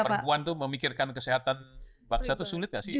perempuan tuh memikirkan kesehatan bangsa tuh sulit nggak sih